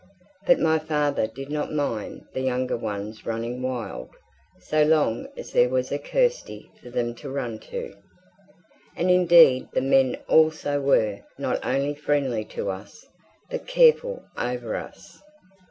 But my father did not mind the younger ones running wild, so long as there was a Kirsty for them to run to; and indeed the men also were not only friendly to us, but careful over us.